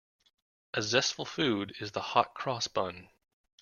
A zestful food is the hot-cross bun.